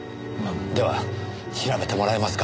では調べてもらえますか？